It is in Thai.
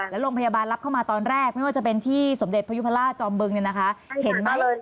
แล้วโรงพยาบาลรับเข้ามาตอนแรกไม่ว่าจะเป็นที่สมเด็จพยุพราชจอมบึงเนี่ยนะคะเห็นไหม